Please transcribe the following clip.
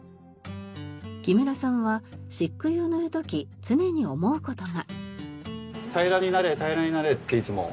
木村さんは漆喰を塗る時常に思う事が。